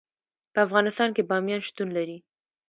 په افغانستان کې بامیان شتون لري.